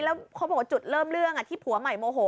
แล้วจุดเริ่มเรื่องที่พัวใหม่โมโห